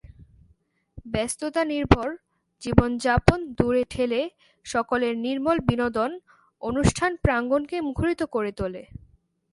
ব্যাস্ততানির্ভর জীবনযাপন দূরে ঠেলে সকলের নির্মল বিনোদন অনুষ্ঠান প্রাঙ্গণকে মুখরিত করে তোলে।